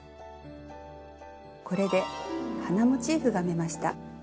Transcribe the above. これで花モチーフが編めました。